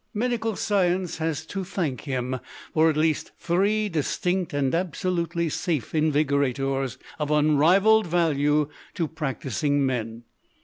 Medical science has to thank him for at least three distinct and absolutely safe invigorators of unrivalled value to practising men.